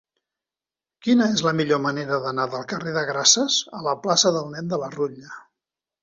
Quina és la millor manera d'anar del carrer de Grases a la plaça del Nen de la Rutlla?